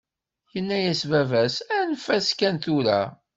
Yenna-as baba-s: Anef-as kan tura.